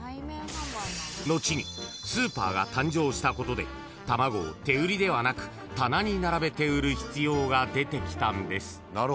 ［後にスーパーが誕生したことで卵を手売りではなく棚に並べて売る必要が出てきたんです］